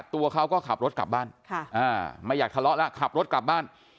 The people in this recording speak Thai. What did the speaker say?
ตัวเขาก็ขับรถกลับบ้านไม่อยากทะเลาะแล้วขับรถกลับบ้าน